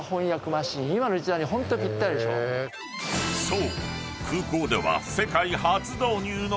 ［そう］